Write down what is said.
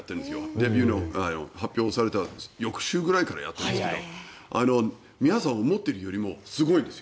レビューの発表をされた翌週ぐらいからやっているんですけど皆さん思っているよりもすごいですよ。